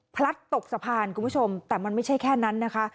พลัดตกสะพานคุณผู้ชมแต่มันไม่ใช่แค่นั้นนะคะ